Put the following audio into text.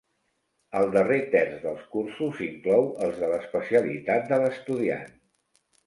El darrer terç dels cursos inclou els de l'especialitat de l'estudiant.